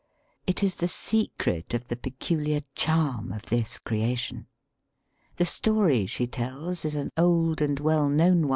It is the secret of the peculiar charm of this creation. The story she tells is an old and well known one.